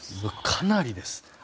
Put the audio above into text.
かなりです。